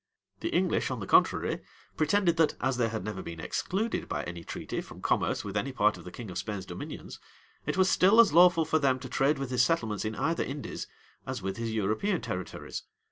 The English, on the contrary, pretended that, as they had never been excluded by any treaty from commerce with any part of the king of Spain's dominions, it was still as lawful for them to trade with his settlements in either Indies, as with his European territories.